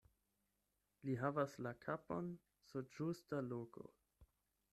Li havas la kapon sur ĝusta loko.